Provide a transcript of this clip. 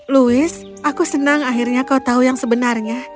louis aku senang akhirnya kau tahu yang sebenarnya